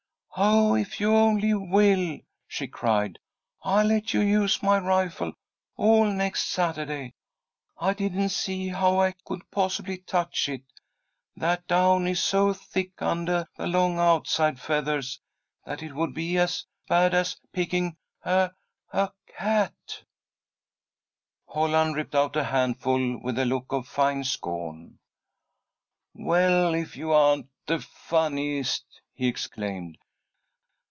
"Oh, if you only will," she cried, "I'll let you use my rifle all next Saturday. I didn't see how I could possibly touch it! That down is so thick undah the long outside feathahs, that it would be as bad as picking a a cat!" Holland ripped out a handful with a look of fine scorn. "Well, if you aren't the funniest!" he exclaimed.